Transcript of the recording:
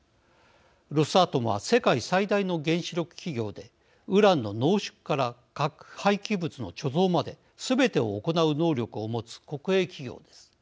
ロスアトムは世界最大の原子力企業でウランの濃縮から核廃棄物の貯蔵まですべてを行う能力を持つ国営企業です。